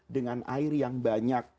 dengan air yang banyak